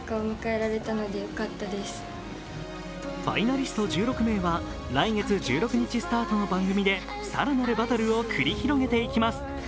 ファイナリスト１６名は、来月１６日スタートの番組で更なるバトルを繰り広げていきます。